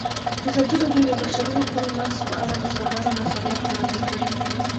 ازادي راډیو د د بشري حقونو نقض په اړه د ځوانانو نظریات وړاندې کړي.